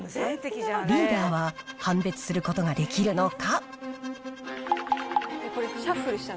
リーダーは判別することができるのか。